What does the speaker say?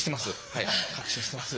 はい確信してます。